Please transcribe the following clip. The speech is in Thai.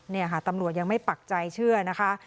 นี่ค่ะตำรวจยังไม่ปักใจเชื่อนะคะ